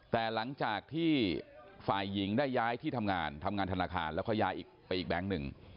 แต่หลังจากที่ฝ่ายหญิงได้ย้ายที่ทำงานทำงานธนาคารแล้วเขาย้ายไปอีกแบงค์หนึ่ง